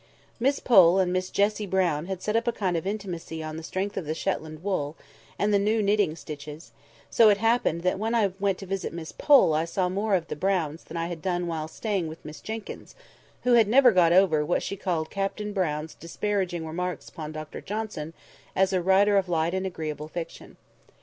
Miss Pole and Miss Jessie Brown had set up a kind of intimacy on the strength of the Shetland wool and the new knitting stitches; so it happened that when I went to visit Miss Pole I saw more of the Browns than I had done while staying with Miss Jenkyns, who had never got over what she called Captain Brown's disparaging remarks upon Dr Johnson as a writer of light and agreeable fiction.